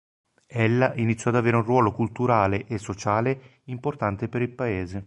Ella iniziò ad avere un ruolo culturale e sociale importante per il paese.